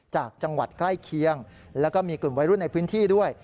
จากจังหวัดใกล้เคียงแล้วก็มีกลุ่มวัยรุ่นในพื้นที่ด้วย